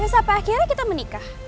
sampai akhirnya kita menikah